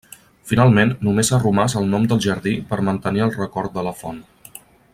Finalment, només ha romàs el nom del jardí per mantenir el record de la font.